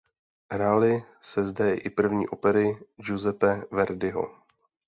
Hrály se zde i první opery Giuseppe Verdiho.